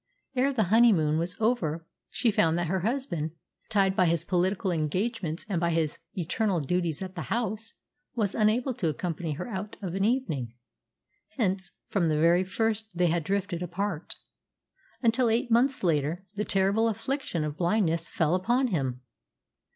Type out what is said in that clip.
Ere the honeymoon was over she found that her husband, tied by his political engagements and by his eternal duties at the House, was unable to accompany her out of an evening; hence from the very first they had drifted apart, until, eight months later, the terrible affliction of blindness fell upon him.